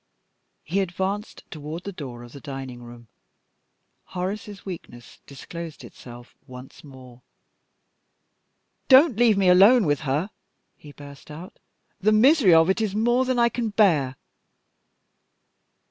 He advanced toward the door of the dining room. Horace's weakness disclosed itself once more. "Don't leave me alone with her!" he burst out. "The misery of it is more than I can bear!"